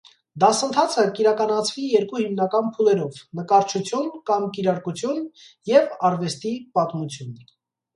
Դասընթացքը կ՚իրականացուի երկու հիմնական փուլերով՝ նկարչութիւն կամ կիրարկութիւն եւ արուեստի պատմութիւն։